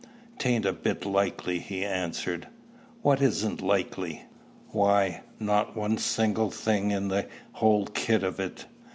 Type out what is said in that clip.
"'Tain't a bit likely," he answered. "What isn't likely?" "Why, not one single thing in the whole kit of it.